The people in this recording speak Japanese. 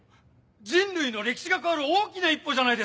人類の歴史が変わる大きな一歩じゃないですか。